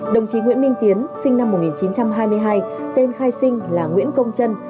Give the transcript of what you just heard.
đồng chí nguyễn minh tiến sinh năm một nghìn chín trăm hai mươi hai tên khai sinh là nguyễn công trân